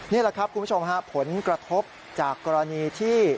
นี่แหละครับคุณผู้ชมฮะผลกระทบจากกรณีที่